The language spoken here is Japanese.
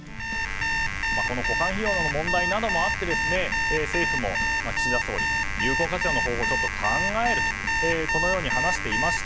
この保管費用の問題などもあって政府も岸田総理有効活用の方法を考えるとこのように話していました。